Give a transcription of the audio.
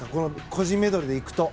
個人メドレーでいくと。